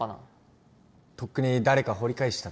とっくに誰か掘り返したとか。